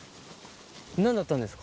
なんだったんですか？